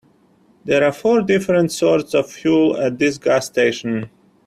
There are four different sorts of fuel at this gas station.